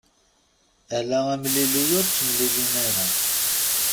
Ala amlili ur ttemlilin ara.